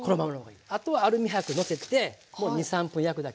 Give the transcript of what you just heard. あとはアルミ箔のせてもう２３分焼くだけ。